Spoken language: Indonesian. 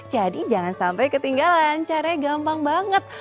jadi jangan sampai ketinggalan caranya gampang banget